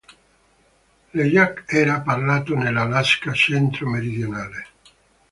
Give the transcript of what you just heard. L'eyak era parlato nell'Alaska centro-meridionale.